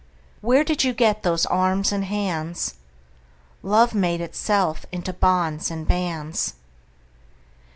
Where did you get those arms and hands? Love made itself into bonds and bands.